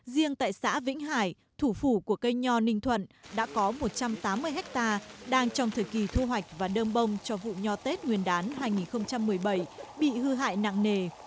riêng tại xã vĩnh hải thủ phủ của cây nho ninh thuận đã có một trăm tám mươi hectare đang trong thời kỳ thu hoạch và đơm bông cho vụ nho tết nguyên đán hai nghìn một mươi bảy bị hư hại nặng nề